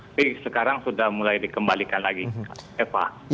tapi sekarang sudah mulai dikembalikan lagi eva